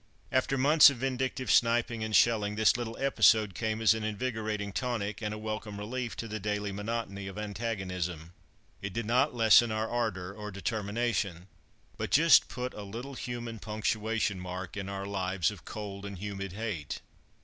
After months of vindictive sniping and shelling, this little episode came as an invigorating tonic, and a welcome relief to the daily monotony of antagonism. It did not lessen our ardour or determination; but just put a little human punctuation mark in our lives of cold and humid hate.